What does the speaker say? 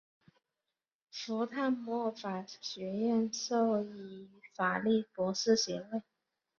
福坦莫法学院授予法律博士学位。